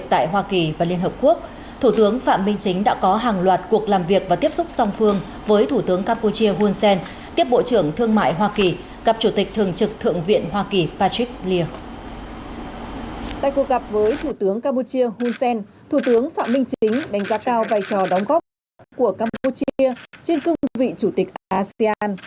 thủ tướng phạm minh chính đánh giá cao vai trò đóng góp của campuchia trên cương vị chủ tịch asean